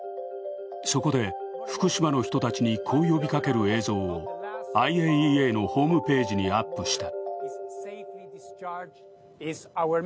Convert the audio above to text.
そこで福島の人たちにこう呼びかける映像をＩＡＥＡのホームページにアップした。